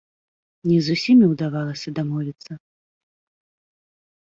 Не з усімі ўдавалася дамовіцца.